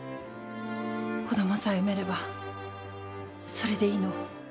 子供さえ産めればそれでいいの。